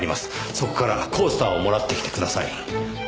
そこからコースターをもらってきてください。